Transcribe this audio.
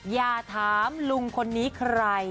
อย่าถามลุงคนนี้ใคร